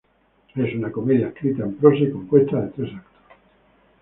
Es una comedia escrita en prosa y compuesta de tres actos.